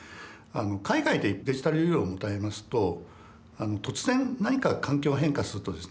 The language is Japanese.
海外でデジタルユーロを持たれますと突然何か環境が変化するとですね